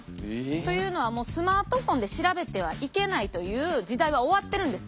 というのはスマートフォンで調べてはいけないという時代は終わってるんです。